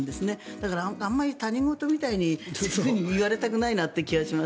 だから、あまり他人事みたいに言われたくないなという気がします。